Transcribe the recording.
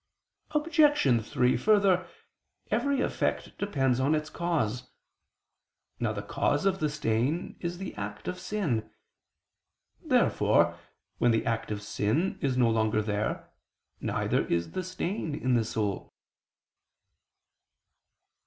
Obj. 3: Further, every effect depends on its cause. Now the cause of the stain is the act of sin. Therefore when the act of sin is no longer there, neither is the stain in the soul.